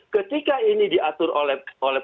ketika ini diatur oleh